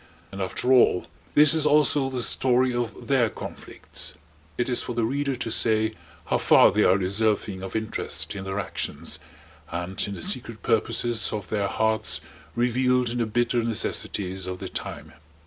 And after all this is also the story of their conflicts. It is for the reader to say how far they are deserving of interest in their actions and in the secret purposes of their hearts revealed in the bitter necessities of the time.